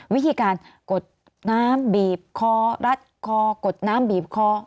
วิธีการกดน้ำบีบคอรัดคอกดน้ำบีบคอ